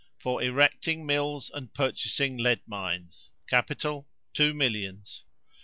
For erecting mills and purchasing lead mines. Capital, two millions.